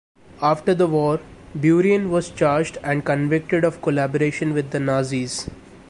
After the war Burian was charged and convicted of collaboration with the Nazis.